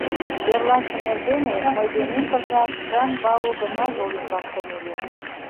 Эрлашым эрдене мый денем пырля Чжан-Бао гына йол ӱмбак кынеле.